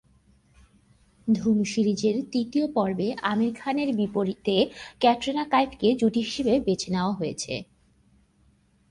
ধুম সিরিজের তৃতীয় পর্বে আমির খান এর বিপরীতে ক্যাটরিনা কাইফ কে জুটি হিসেবে বেছে নেওয়া হয়েছে।